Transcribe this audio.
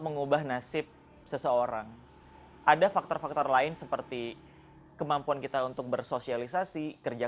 mengubah nasib seseorang ada faktor faktor lain seperti kemampuan kita untuk bersosialisasi kerja